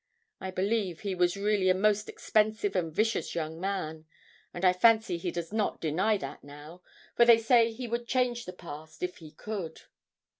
I believe he was really a most expensive and vicious young man; and I fancy he does not deny that now, for they say he would change the past if he could.